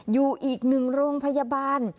อยู่อีกหนึ่งโรงพยาบาล